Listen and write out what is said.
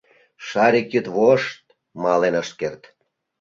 Шарик йӱдвошт мален ыш керт.